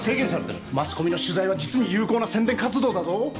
マスコミの取材は実に有効な宣伝活動だぞ。